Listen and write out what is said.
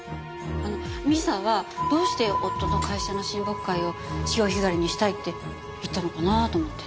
美佐はどうして夫の会社の親睦会を潮干狩りにしたいって言ったのかなと思って。